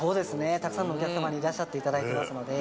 たくさんのお客様にいらっしゃっていただいてますので。